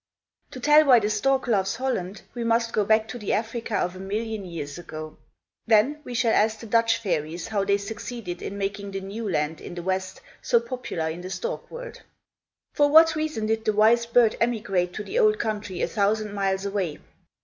To tell why the stork loves Holland, we must go back to the Africa of a million years ago. Then, we shall ask the Dutch fairies how they succeeded in making the new land, in the west, so popular in the stork world. For what reason did the wise birds emigrate to the cold country a thousand miles away?